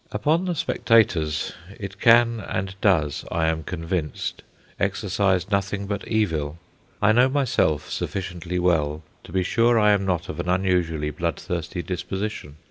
Upon the spectators it can and does, I am convinced, exercise nothing but evil. I know myself sufficiently well to be sure I am not of an unusually bloodthirsty disposition.